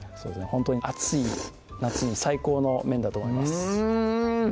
ほんとに暑い夏に最高の麺だと思いますうん！